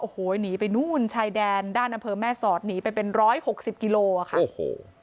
โอ้โหหนีไปนู่นชายแดนด้านอำเภอแม่สอดหนีไปเป็น๑๖๐กิโลกรัมค่ะ